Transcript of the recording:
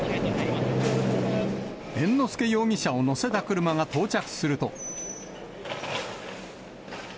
猿之助容疑者を乗せた車が到着すると。